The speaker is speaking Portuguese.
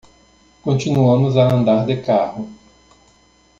Continuamos a andar de carro